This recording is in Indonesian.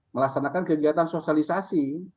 melaksanakan kegiatan sosialisasi